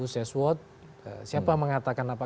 siapa mengatakan apa